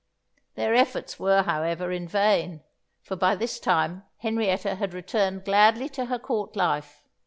Their efforts, were however, in vain, for by this time, Henrietta had returned gladly to her Court life.